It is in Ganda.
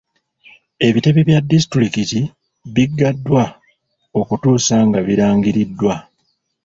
Ebitebe bya disitulikiti biggaddwa okutuusa nga birangiriddwa.